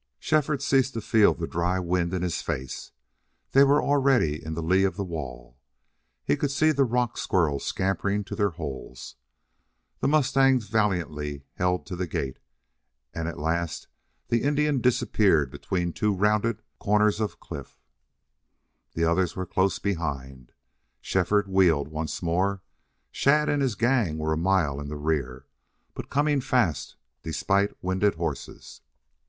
Shefford ceased to feel the dry wind in his face. They were already in the lee of the wall. He could see the rock squirrels scampering to their holes. The mustangs valiantly held to the gait, and at last the Indian disappeared between two rounded comers of cliff. The others were close behind. Shefford wheeled once more. Shadd and his gang were a mile in the rear, but coming fast, despite winded horses.